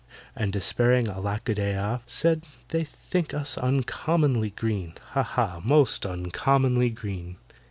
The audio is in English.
And despairing ALACK A DEY AH Said, "They think us uncommonly green! Ha! ha! most uncommonly green!"